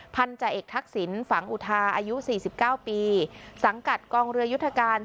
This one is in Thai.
พันธ์จ่าเอกทักษิณฝังอุทาอายุสี่สิบเก้าปีสังกัดกองเรือยุธการ